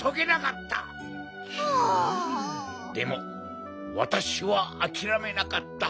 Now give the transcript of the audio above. でもわたしはあきらめなかった。